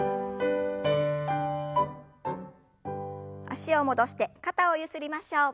脚を戻して肩をゆすりましょう。